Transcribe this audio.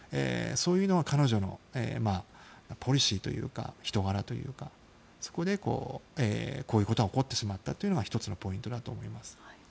そういうのが彼女のポリシーというか人柄というかそこで、こういうことが起こってしまったというのが１つのポイントだと思います。